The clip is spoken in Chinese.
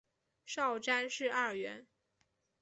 少詹事二员。